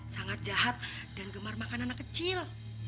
sangat jahat dan gemar makan anak kecil